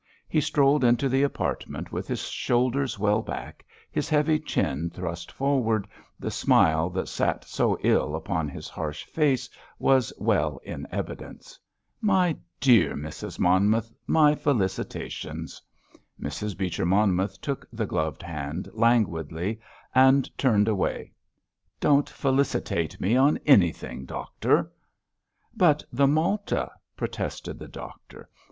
He strolled into the apartment with his shoulders well back, his heavy chin thrust forward, the smile that sat so ill upon his harsh face was well in evidence. "My dear Mrs. Monmouth, my felicitations!" Mrs. Beecher Monmouth took the gloved hand languidly and turned away. "Don't felicitate me on anything, Doctor!" "But the Malta!" protested the Doctor.